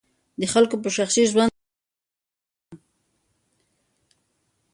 د خلګو په شخصي ژوند کي مداخله مه کوه.